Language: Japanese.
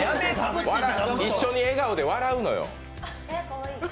一緒に笑顔で笑うのよ。